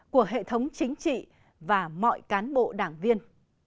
của hệ thống chính trị và mọi cán bộ đảng viên